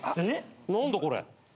何だこれ。